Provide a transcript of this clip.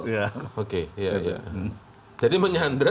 jadi menyandera keluarga penyandera